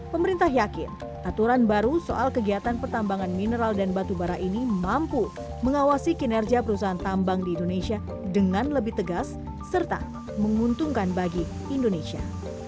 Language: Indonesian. pemerintah yakin aturan baru soal kegiatan pertambangan mineral dan batu bara ini mampu mengawasi kinerja perusahaan tambang di indonesia dengan lebih tegas serta menguntungkan bagi indonesia